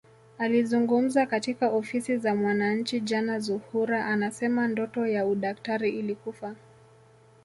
Akizungumza katika ofisi za Mwananchi jana Zuhura anasema ndoto ya udaktari ilikufa